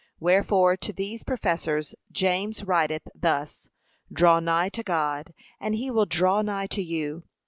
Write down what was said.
Wherefore to these professors James writeth thus, 'Draw nigh to God, and he will draw nigh to you.